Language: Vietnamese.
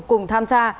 cùng tham gia